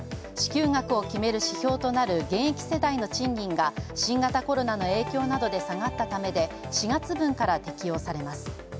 支給額を決める指標となる現役世代の賃金が新型コロナの影響などで下がったためで４月分から適用されます。